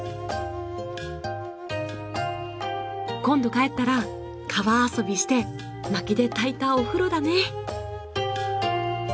今度帰ったら川遊びしてまきで焚いたお風呂だね。